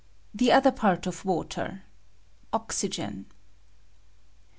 — THE OTHEB PAET OF WATER. — I OXYGEN.